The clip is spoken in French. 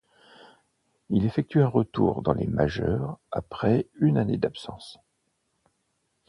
Il effectue un retour dans les majeures après une année d'absence.